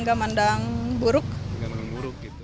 gak mandang buruk gitu